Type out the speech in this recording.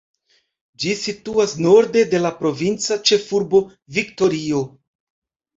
Ĝi situas norde de la provinca ĉefurbo Viktorio.